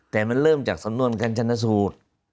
แต่มันเริ่มจากสำนวนการชนะสูตร